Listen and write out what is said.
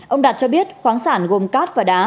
ông đạt cho biết khoáng sản gồm cát và đá